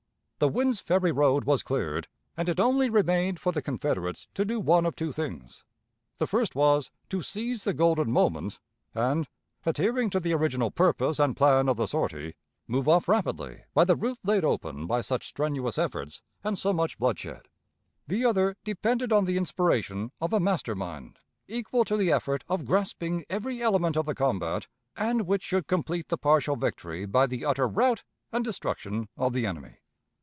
The Wynn's Ferry road was cleared, and it only remained for the Confederates to do one of two things: The first was, to seize the golden moment and, adhering to the original purpose and plan of the sortie, move off rapidly by the route laid open by such strenuous efforts and so much bloodshed; the other depended on the inspiration of a master mind, equal to the effort of grasping every element of the combat, and which should complete the partial victory by the utter rout and destruction of the enemy.